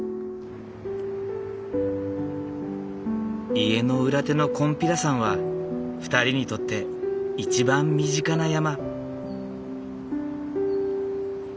家の裏手の金毘羅山は２人にとって一番身近な山。